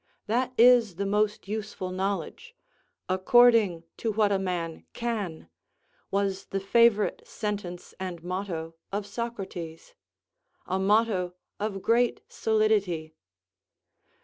that is the most useful knowledge: "according to what a man can," was the favourite sentence and motto of Socrates. A motto of great solidity.